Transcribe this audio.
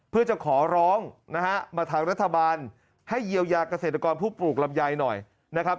เพื่อจะขอร้องนะฮะมาทางรัฐบาลให้เยียวยาเกษตรกรผู้ปลูกลำไยหน่อยนะครับ